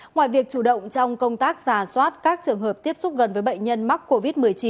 ngoài việc chủ động trong công tác giả soát các trường hợp tiếp xúc gần với bệnh nhân mắc covid một mươi chín